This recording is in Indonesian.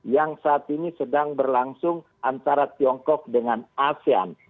yang saat ini sedang berlangsung antara tiongkok dengan asean